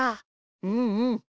うんうん。